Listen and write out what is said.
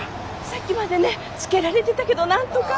さっきまでねつけられてたけどなんとか。